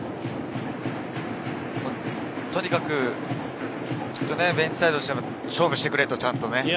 とにかくベンチサイドとしては勝負してくれと。